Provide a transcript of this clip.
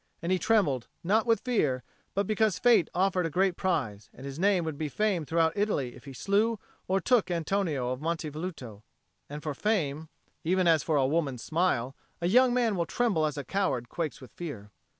And he trembled, not with fear, but because fate offered a great prize, and his name would be famed throughout Italy if he slew or took Antonio of Monte Velluto; and for fame, even as for a woman's smile, a young man will tremble as a coward quakes with fear.